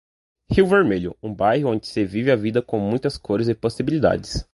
Rio Vermelho, um bairro onde se vive a vida com muitas cores e possibilidades.